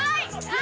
あ！